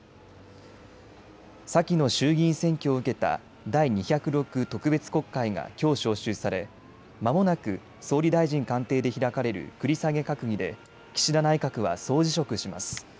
先の衆議院選挙を受けた第２０６特別国会がきょう召集されまもなく総理大臣官邸で開かれる繰り下げ閣議で岸田内閣は総辞職します。